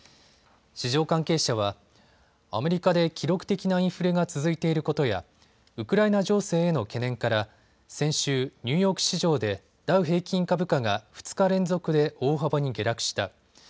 市場関係者はアメリカで記録的なインフレが続いていることやウクライナ情勢への懸念から先週、ニューヨーク市場でダウ平均株価が２日連続で大幅に下落した。